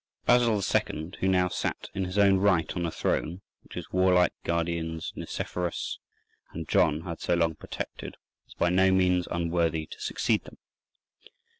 Basil II., who now sat in his own right on the throne which his warlike guardians Nicephorus and John had so long protected, was by no means unworthy to succeed them.